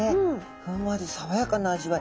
ふんわり爽やかな味わい。